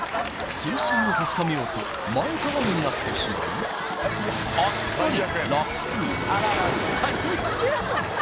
水深を確かめようと前かがみになってしまいいや